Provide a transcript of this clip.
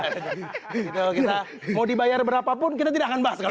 kalau kita mau dibayar berapapun kita tidak akan bahas sekarang